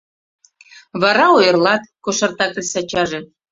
— Вара ойырлат, — кошарта кресачаже.